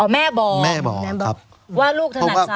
อ๋อแม่บอกแม่บอกครับว่าลูกถนัดซ้าย